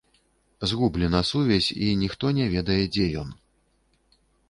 Згублена сувязь, і ніхто не ведае, дзе ён.